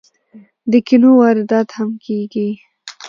د کینو واردات هم کیږي.